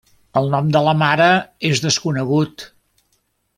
El nom de la mare és desconegut.